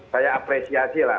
saya apresiasi lah